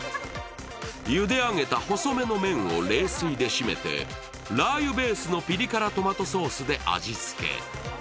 ゆであげた細めの麺を冷水で締めてラー油ベースのピリ辛トマトソースで味付け。